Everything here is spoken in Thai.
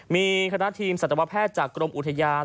มีคณะทีมสัตวแพทย์จากกรมอุทยาน